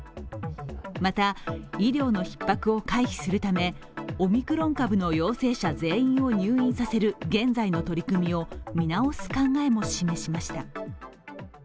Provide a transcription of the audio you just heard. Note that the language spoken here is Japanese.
また医療のひっ迫を回避するためオミクロン株の陽性者全員を入院させる現在の取り組みを見直す考えも示しました。